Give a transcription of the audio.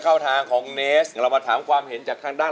เอาเงินทำให้ไหน